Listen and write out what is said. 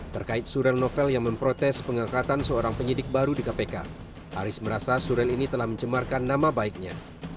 terkait surel novel yang memprotes pengangkatan seorang penyidik baru di kpk aris merasa surel ini telah mencemarkan nama baiknya